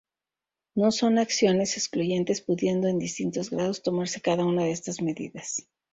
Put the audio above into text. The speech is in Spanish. No son acciones excluyentes pudiendo, en distintos grados, tomarse cada una de estas medidas.